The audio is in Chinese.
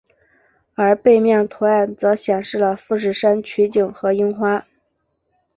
而背面图案则显示了富士山取景和樱花。